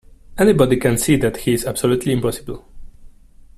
Anybody can see that he's absolutely impossible.